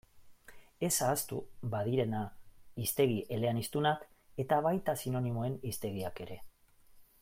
Ez ahaztu badirena hiztegi eleaniztunak eta baita sinonimoen hiztegiak ere.